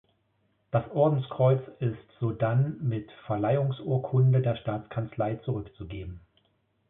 Das Ordenskreuz ist sodann mit Verleihungsurkunde der Staatskanzlei zurückzugeben.